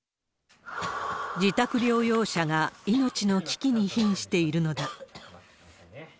自宅療養者が命の危機にひんしているのだ。